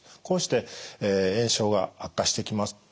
こうして炎症が悪化してきます。